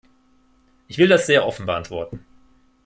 Ich will das sehr offen beantworten.